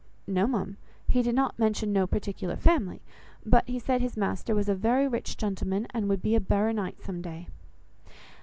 "No, ma'am, he did not mention no particular family; but he said his master was a very rich gentleman, and would be a baronight some day."